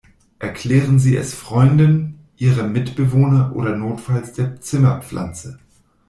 Erklären Sie es Freunden, ihrem Mitbewohner oder notfalls der Zimmerpflanze.